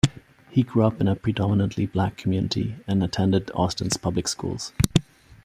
He grew up in a predominantly black community, and attended Austin's public schools.